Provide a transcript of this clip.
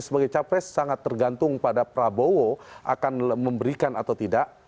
setelah judah berikut